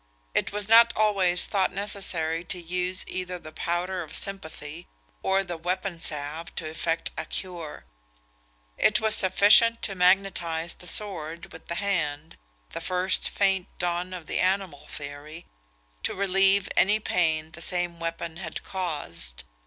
It was not always thought necessary to use either the powder of sympathy, or the weapon salve, to effect a cure. It was sufficient to magnetise the sword with the hand (the first faint dawn of the animal theory), to relieve any pain the same weapon had caused.